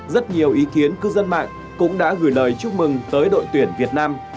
rất nhiều ý kiến cư dân mạng cũng đã gửi lời chúc mừng tới đội tuyển việt nam